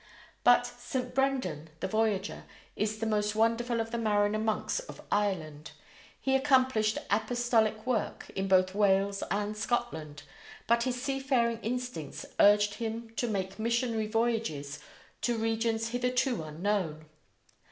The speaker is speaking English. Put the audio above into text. But St. Brendan, the voyager, is the most wonderful of the mariner monks of Ireland. He accomplished apostolic work in both Wales and Scotland, but his seafaring instincts urged him to make missionary voyages to regions hitherto unknown.